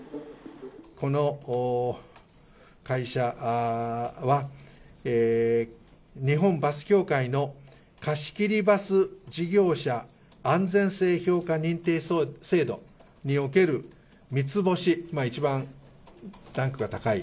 この会社は、日本バス協会の貸切バス事業者安全性評価認定制度における三つ星、一番ランクが高い。